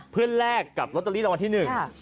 เพื่อนแรกกับโรตเตอรี่รางวัลที่หนึ่ง